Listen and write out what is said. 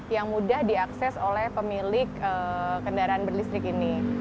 yang mudah diakses oleh pemilik kendaraan berlistrik ini